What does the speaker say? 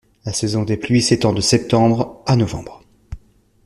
La saison des pluies s'étend de septembre à novembre.